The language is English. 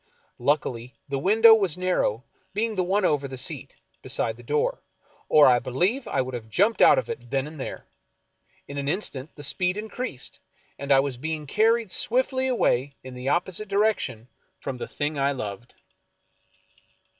Luck ily the window was narrow, being the one over the seat, beside the door, or I believe I would have jumped out of it then and there. In an instant the speed increased, and I was being carried swiftly away in the opposite direction from the thing I loved.